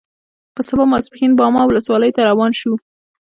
په سبا ماسپښین باما ولسوالۍ ته روان شوو.